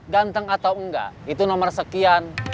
ganteng atau enggak itu nomor sekian